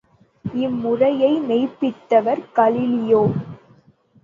இம்முறையை மெய்ப்பித்தவர் கலிலியோ.